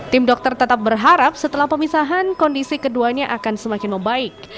tim dokter tetap berharap setelah pemisahan kondisi keduanya akan semakin membaik